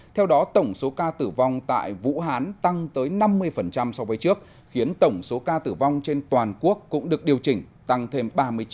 theo đó tổng số ca tử vong tại vũ hán tăng tới năm mươi so với trước khiến tổng số ca tử vong trên toàn quốc cũng được điều chỉnh tăng thêm ba mươi chín